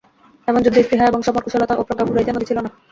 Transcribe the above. এমন যুদ্ধ-স্পৃহা এবং সমর-কুশলতা ও প্রজ্ঞা কুরাইশদের মধ্যে ছিলনা।